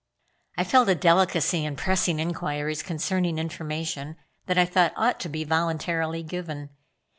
I felt a delicacy in pressing inquiries concerning information that I thought ought to be voluntarily given.